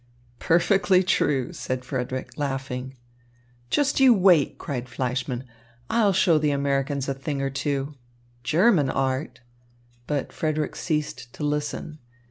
"Perfectly true," said Frederick, laughing. "Just you wait," cried Fleischmann. "I'll show the Americans a thing or two. German art " But Frederick ceased to listen.